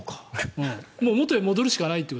元へ戻るしかない。